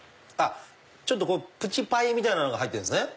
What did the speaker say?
プチパイみたいなのが入ってるんですね